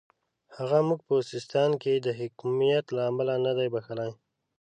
هغه موږ په سیستان کې د حکمیت له امله نه دی بخښلی.